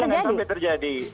jangan sampai terjadi